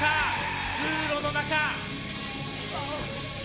通路の中。